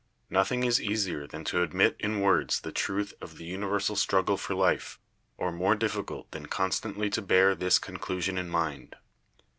Nothing is easier than to admit in words the truth of the universal struggle for life, or more difficult than constantly to bear this conclusion in mind.